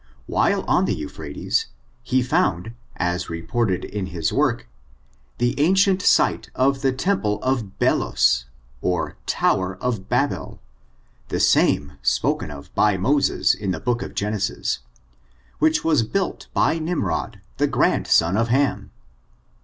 While on the Eu phrates, he found, as reported in his work, the an cient site of the temple of Belus, or tower of Babel, the same spoken of by Moses in the book of Genesis, which was built by Nimrod the Grandson of Ham.